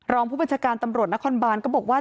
รองผู้บัญชาการตำรวจนครบานก็บอกว่า